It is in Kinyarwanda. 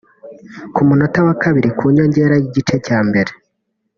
Ku munota wa kabiri ku nyongera y’igice cya mbere